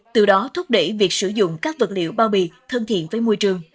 từ đó thúc đẩy việc sử dụng các vật liệu bao bì thân thiện với môi trường